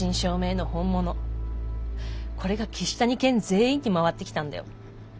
これが岸谷研全員に回ってきたんだよ。